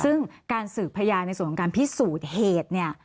ซึ่งการสืบพยานในส่วนของการพิสูจน์เหตุเนี่ย